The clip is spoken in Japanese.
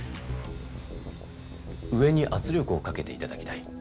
上に圧力をかけて頂きたい。